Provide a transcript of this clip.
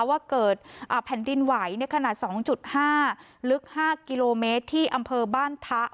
ว่าเกิดอ่าแผ่นดินไหวเนี้ยขนาดสองจุดห้าลึกห้ากิโลเมตรที่อำเภอบ้านทะ